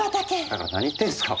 だから何言ってんすか？